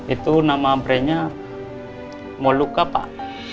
itu nama brandnya molucca pak